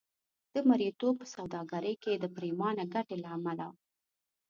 د مریتوب په سوداګرۍ کې د پرېمانه ګټې له امله.